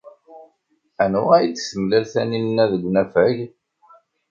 Anwa ay d-temlal Taninna deg unafag?